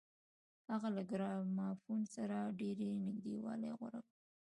هغه له ګرامافون سره ډېر نږدېوالی غوره کړ